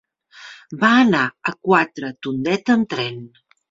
Va anar a Quatretondeta amb tren.